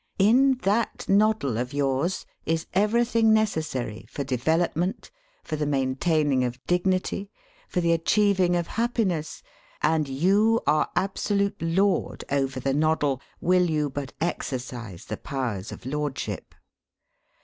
In that noddle of yours is everything necessary for development, for the maintaining of dignity, for the achieving of happiness, and you are absolute lord over the noddle, will you but exercise the powers of lordship.